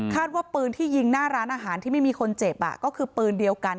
ว่าปืนที่ยิงหน้าร้านอาหารที่ไม่มีคนเจ็บก็คือปืนเดียวกัน